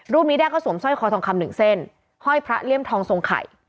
นี้ได้ก็สวมสร้อยคอทองคำหนึ่งเส้นห้อยพระเลี่ยมทองทรงไข่